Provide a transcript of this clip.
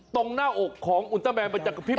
ตรงหน้าอกของอุณต้าแมนมันจะกระพริบ